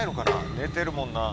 寝てるもんな。